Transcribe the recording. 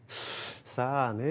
さあね